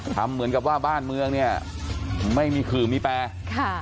ทำเหมือนกับว่าบ้านเมืองเนี่ยไม่มีขื่อมีแปรค่ะ